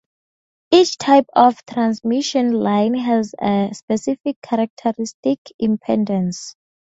Each type of transmission line has a specific characteristic impedance.